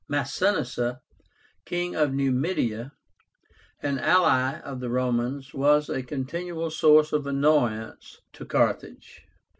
MASINISSA, King of Numidia, an ally of the Romans, was a continual source of annoyance to Carthage.